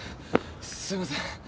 すいません。